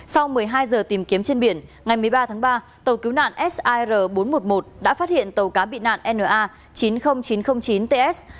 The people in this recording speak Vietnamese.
sau một mươi hai giờ tìm kiếm trên biển ngày một mươi ba tháng ba tàu cứu nạn sir bốn trăm một mươi một đã phát hiện tàu cá bị nạn na chín mươi nghìn chín trăm linh chín ts